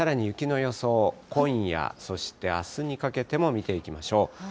さらに雪の予想、今夜、そしてあすにかけても見ていきましょう。